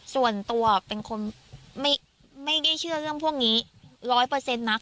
ส่วนตัวเป็นคนไม่ได้เชื่อเรื่องพวกนี้ร้อยเปอร์เซ็นต์นัก